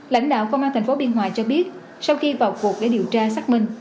lãnh đạo công an tp biên hòa cho biết sau khi vào cuộc để điều tra xác minh